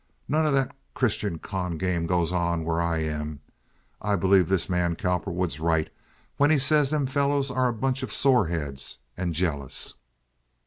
None o' that Christian con game goes around where I am. I believe this man Cowperwood's right when he says them fellows are a bunch of soreheads and jealous.